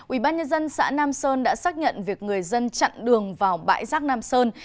ubnd xã nam sơn đã xác nhận việc người dân chặn đường vào bãi rác nam sơn